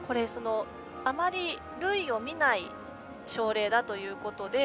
あまり類を見ない症例だということで。